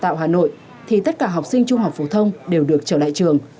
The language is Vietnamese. đào tạo hà nội thì tất cả học sinh trung học phổ thông đều được trở lại trường